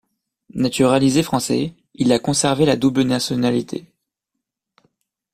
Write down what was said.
Naturalisé français, il a conservé la double nationalité.